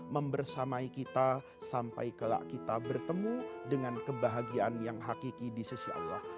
membersamai kita sampai kelak kita bertemu dengan kebahagiaan yang hakiki di sisi allah